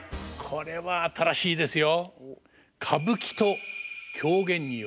これは新しいですよ。